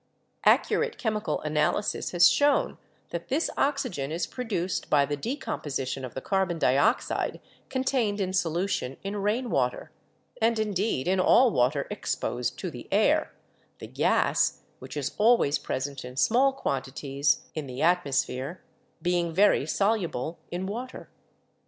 Accurate chemical analysis has shown that this oxygen is produced by the decomposition of the carbon dioxide contained in solution in rain water, and indeed in all water exposed to the air, the gas, which is always present in small quantities in the atmosphere, being very soluble in water.